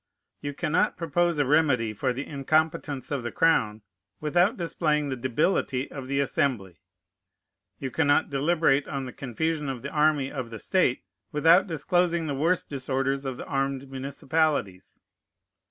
You cannot propose a remedy for the incompetence of the crown, without displaying the debility of the Assembly. You cannot deliberate on the confusion of the army of the state, without disclosing the worse disorders of the armed municipalities.